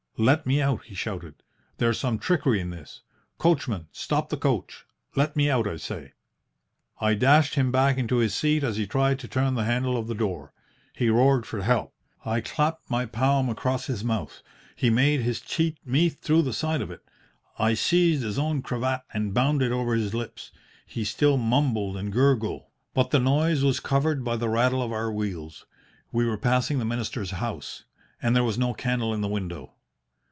"'Let me out!' he shouted. 'There's some trickery in this. Coachman, stop the coach! Let me out, I say!' "I dashed him back into his seat as he tried to turn the handle of the door. He roared for help. I clapped my palm across his mouth. He made his teeth meet through the side of it. I seized his own cravat and bound it over his lips. He still mumbled and gurgled, but the noise was covered by the rattle of our wheels. We were passing the minister's house, and there was no candle in the window.